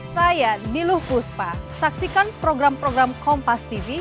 saya niluh kuspa saksikan program program kompastv